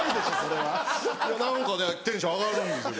何かねテンション上がるんですよ